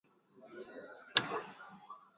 Mama anawapenda watoto wake sawa